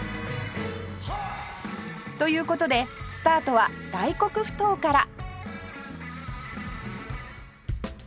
という事でスタートは大黒ふ頭から